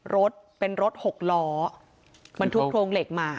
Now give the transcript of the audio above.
รถเป็นรถหกล้อบรรทุกโครงเหล็กมา